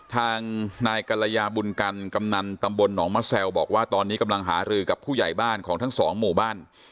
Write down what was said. ทางนายกรยาบุญกันกำนันตำบลหนองมะแซวบอกว่าตอนนี้กำลังหารือกับผู้ใหญ่บ้านของทั้งสองหมู่บ้าน